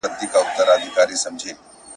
پرون مي د خزان د موسم !.